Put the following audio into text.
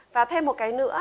và thêm một cái nữa